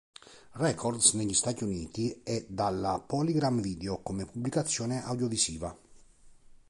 Records negli Stati Uniti e dalla PolyGram Video come pubblicazione audiovisiva.